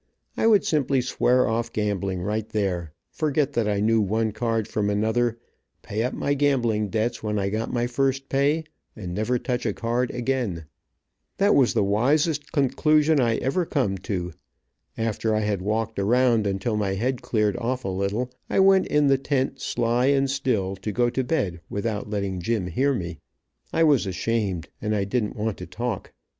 I would simply swear off gambling right there, forget that I knew one card from another, pay up my gambling debts when I got my first pay, and never touch a card again. That was the wisest conclusion that I ever come to. After I had walked around until my head cleared off a little, I went in the tent sly and still, to go to bed without letting Jim hear me. I was ashamed, and didn't want to talk.